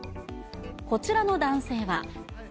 こちらの男性は。